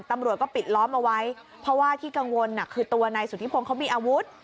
ตำรวจก็ปิดล้อมเอาไว้เพราะว่าที่กังวลคือตัวนายสุธิพงศ์เขามีอาวุธ